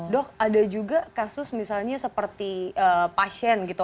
dok ada juga kasus misalnya seperti pasien gitu